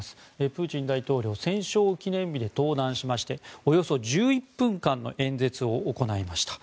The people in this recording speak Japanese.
プーチン大統領戦勝記念日で登壇しましておよそ１１分間の演説を行いました。